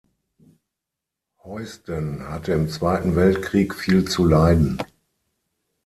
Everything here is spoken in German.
Heusden hatte im Zweiten Weltkrieg viel zu leiden.